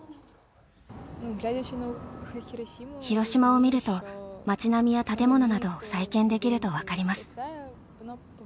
広島を見ると、街並みや建物などを再建できると分かります。